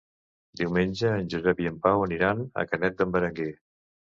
Diumenge en Josep i en Pau aniran a Canet d'en Berenguer.